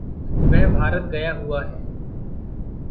वह भारत गया हुआ है।